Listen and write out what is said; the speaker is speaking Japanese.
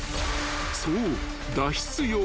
［そう］